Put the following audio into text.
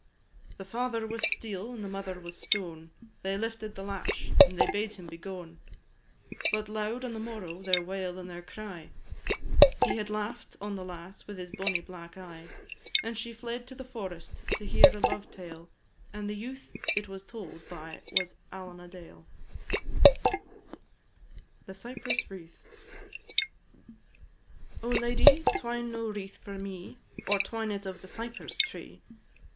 The father was steel and the mother was stone, They lifted the latch, and they bade him be gone; But loud, on the morrow, their wail and their cry, He had laugh'd on the lass with his bonny black eye, And she fled to the forest to hear a love tale, And the youth it was told by was Allen a Dale. "Rokeby," canto third. THE CYPRESS WREATH. Oh, lady! twine no wreath for me, Or twine it of the cypress tree!